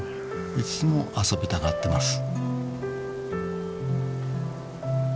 いつも遊びたがってます。